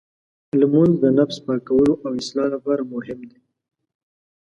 لمونځ د نفس پاکولو او اصلاح لپاره مهم دی.